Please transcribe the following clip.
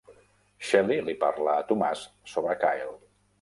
Shelly li parla a Tomàs sobre Kyle.